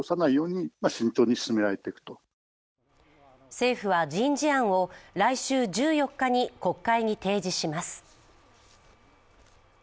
政府は人事案を来週１４日に国会に提示します